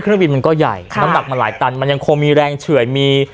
เครื่องบินมันก็ใหญ่น้ำหนักมันหลายตันมันยังคงมีแรงเฉื่อยมี